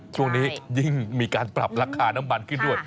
ช่วงนี้ยิ่งมีการปรับราคาน้ำมันขึ้นด้วย